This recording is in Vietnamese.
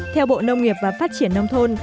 theo bộ nông nghiệp và phát triển nông thôn